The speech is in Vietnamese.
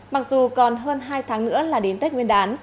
mặc dù còn hơn hai tháng nữa là đến tết nguyên đán